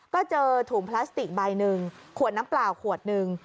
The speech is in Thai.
ก็เจอถุงพลาสติกใบหนึ่งขวดน้ำเปล่าขวดหนึ่ง